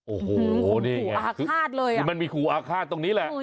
โอ้โหเหมือนมีขู่อาฆาตตรงนี้แหละ